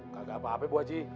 kagak apa apa bu haji